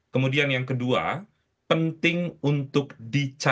kemudian yang kedua penting untuk dicari